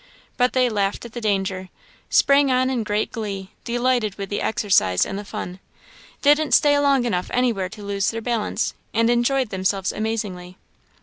But they laughed at the danger; sprang on in great glee, delighted with the exercise and the fun; didn't stay long enough anywhere to lose their balance, and enjoyed themselves amazingly.